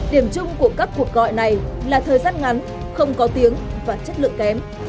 điểm chung của các cuộc gọi này là thời gian ngắn không có tiếng và chất lượng kém